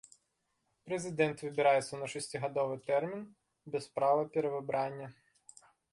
Прэзідэнт выбіраецца на шасцігадовы тэрмін без права перавыбрання.